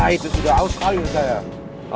ah itu sudah out kali udah ya